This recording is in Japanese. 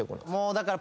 だから